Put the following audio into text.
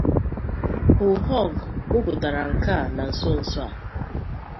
Hou Hong kwupụtara nke a na nsonso a